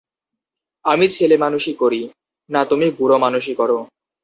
আমি ছেলেমানুষি করি, না তুমি বুড়োমানুষি কর!